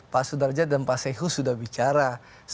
pak sudarja dan pak sehu sudah bicara